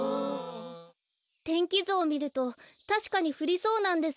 天気ずをみるとたしかにふりそうなんですが。